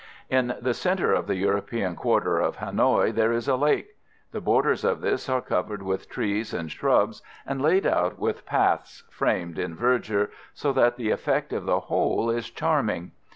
In the centre of the European quarter of Hanoï there is a lake. The borders of this are covered with trees and shrubs and laid out with paths framed in verdure, so that the effect of the whole is charming.